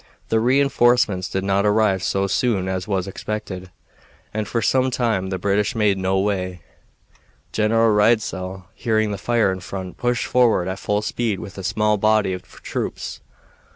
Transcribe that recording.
The re enforcements did not arrive so soon as was expected, and for some time the British made no way. General Reidesel, hearing the fire in front, pushed forward at full speed with a small body of troops.